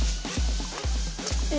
え？